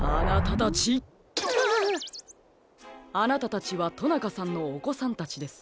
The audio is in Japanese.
あなたたちはとなかさんのおこさんたちですね。